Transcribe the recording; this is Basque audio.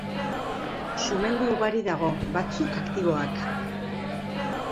Sumendi ugari dago, batzuk aktiboak.